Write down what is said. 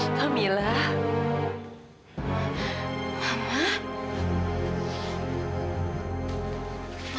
apa yang ibu lakukan